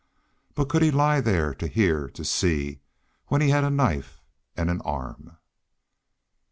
But could he lie there to hear to see when he had a knife and an arm?